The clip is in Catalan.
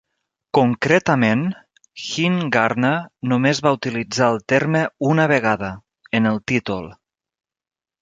Concretament, Hinegardner només va utilitzar el terme una vegada: en el títol.